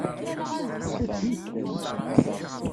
Seddu-tent.